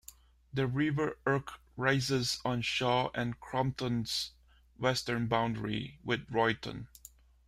The River Irk rises on Shaw and Crompton's western boundary with Royton.